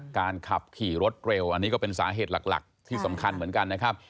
การขับขี่รถเร็วอันนี้ก็เป็นสาเหตุหลักที่สำคัญเหมือนกันนะครับ